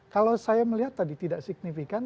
kalau saya melihat tadi tidak signifikan